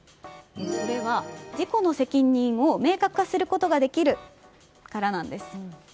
それは、事故の責任を明確化することができるからなんです。